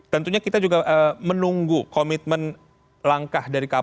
tentunya kita juga menunggu komitmen langkah dari kpk